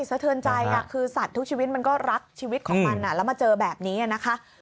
สะเทือนใจคือสัตว์ทุกชีวิตมันก็รักชีวิตของมันแล้วมาเจอแบบนี้นะคะ